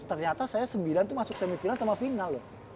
ternyata saya sembilan tuh masuk semifinal sama final loh